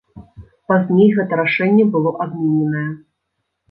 Пазней гэта рашэнне было адмененае.